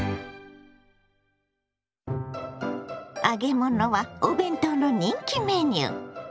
揚げ物はお弁当の人気メニュー。